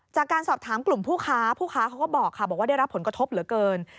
จากการสอบถามกลุ่มผู้ค้าผู้ค้าเขาก็บอกค่ะบอกว่าได้รับผลกระทบเหลือเกิน